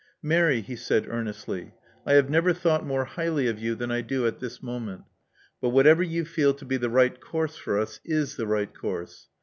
'*Mary," he said, earnestly: I have never thought more highly of you than I do at this moment. But whatever you feel to be the right course for us is the right course.